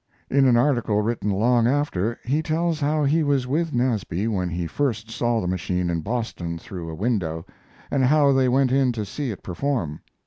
In an article written long after he tells how he was with Nasby when he first saw the machine in Boston through a window, and how they went in to see it perform.